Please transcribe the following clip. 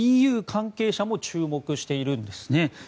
ＥＵ関係者も注目しているんですね。